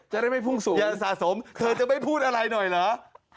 ได้ไม่พุ่งสูงอย่าสะสมเธอจะไม่พูดอะไรหน่อยเหรอ